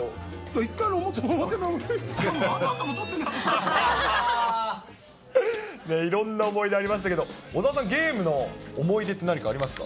１回の表、たぶんワンアウトいろんな思い出ありましたけど、小澤さん、ゲームの思い出って何かありますか？